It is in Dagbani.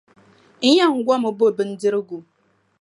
N yɛn gomi m-bo bindirigu.